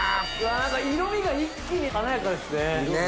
色味が一気に華やかですね。ねぇ！